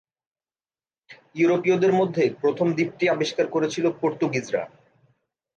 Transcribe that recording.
ইউরোপীয়দের মধ্যে প্রথম দ্বীপটি আবিষ্কার করেছিল পর্তুগিজরা।